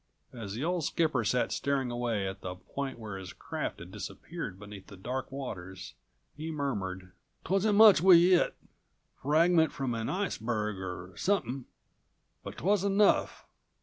As the old skipper sat staring away at the point where his craft had disappeared beneath the dark waters, he murmured: "'Twasn't much we 'it; fragment from an iceberg 'er somethin', but 'twas enough.